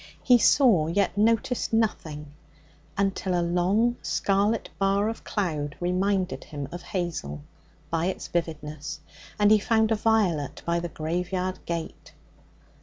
He saw, yet noticed nothing, until a long scarlet bar of cloud reminded him of Hazel by its vividness, and he found a violet by the graveyard gate.